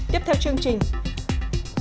tiếp theo chương trình